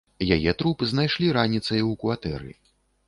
Яе труп знайшлі раніцай у кватэры.